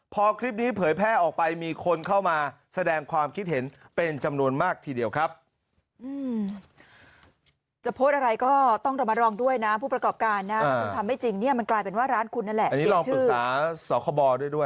พอคลิปนี้เผยแพร่ออกไปมีคนเข้ามาแสดงความคิดเห็นเป็นจำนวนมากทีเดียวครับ